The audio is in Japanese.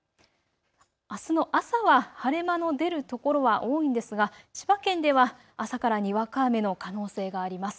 あすの朝は晴れ間の出る所は多いんですが千葉県では朝からにわか雨の可能性があります。